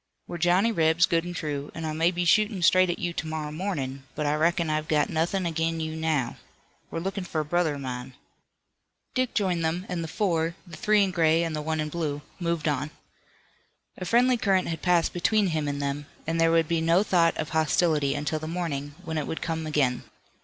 We're Johnny Rebs, good and true, and I may be shootin' straight at you to morrow mornin', but I reckon I've got nothin' ag'in you now. We're lookin' for a brother o' mine." Dick joined them, and the four, the three in gray and the one in blue, moved on. A friendly current had passed between him and them, and there would be no thought of hostility until the morning, when it would come again.